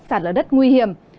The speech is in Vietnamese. sạt ở đất nguy hiểm